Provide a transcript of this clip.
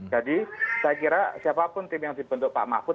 jadi saya kira siapapun tim yang dibentuk pak mahfud